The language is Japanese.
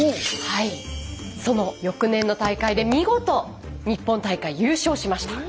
その翌年の大会で見事日本大会優勝しました。